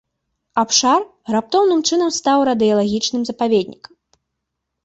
Абшар раптоўным чынам стаў радыелагічным запаведнікам.